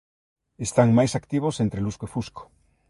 Están máis activos entre lusco e fusco.